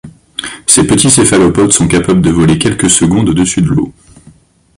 Ces petits céphalopodes sont capables de voler quelques secondes au-dessus de l'eau.